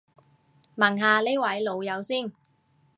問下呢位老友先